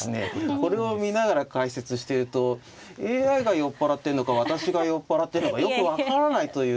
これを見ながら解説してるとＡＩが酔っ払ってるのか私が酔っ払ってるのかよく分からないというはい。